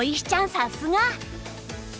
さすが！